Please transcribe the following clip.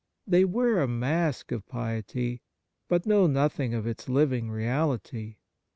They wear a mask of piety, but know nothing of its living reality.